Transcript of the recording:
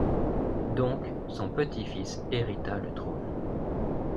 Donc, son petit-fils hérita le trône.